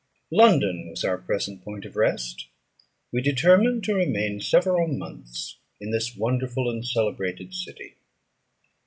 London was our present point of rest; we determined to remain several months in this wonderful and celebrated city.